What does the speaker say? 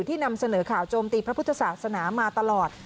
นำเสนอข่าวโจมตีพระพุทธศาสนามาตลอด